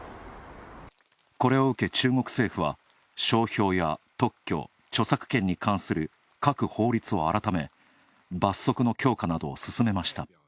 これを受け、中国政府は商標や特許、著作権などに関する各法律を改め罰則の強化などを進めました。